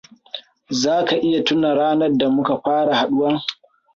Za ka iya tuna ranar da muka fara haɗuwa?